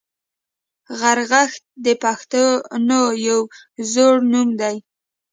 غرغښت د پښتنو یو زوړ نوم دی